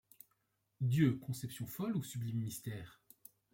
Dieu ! conception folle ou sublime mystère !